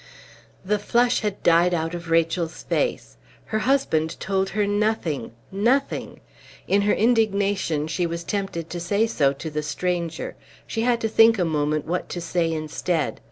The flush had died out of Rachel's face. Her husband told her nothing nothing! In her indignation she was tempted to say so to the stranger; she had to think a moment what to say instead.